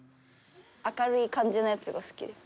明るい感じのやつが好き。